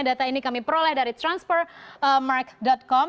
data ini kami peroleh dari transfermark com